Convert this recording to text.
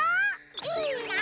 いいな！